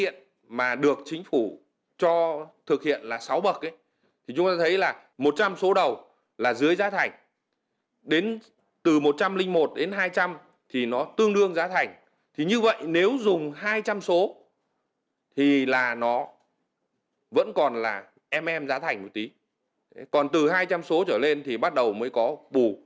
nó vẫn còn là em em giá thành một tí còn từ hai trăm linh số trở lên thì bắt đầu mới có bù